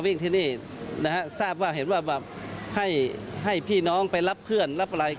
เพราะฉะนั้นท่านก็รู้ว่าเห็นว่าให้พี่น้องไปรับเพื่อนรับอะไร